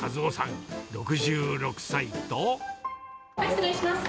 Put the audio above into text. はい、失礼します。